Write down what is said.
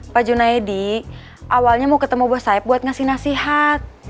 pak junedi awalnya mau ketemu bos saeb buat ngasih nasihat